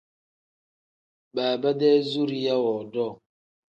Baaba-dee zuriya woodoo.